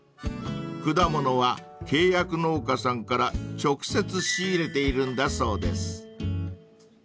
［果物は契約農家さんから直接仕入れているんだそうです］